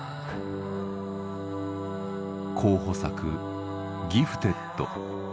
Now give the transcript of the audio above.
候補作「ギフテッド」。